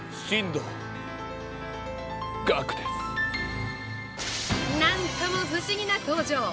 ◆なんとも不思議な登場！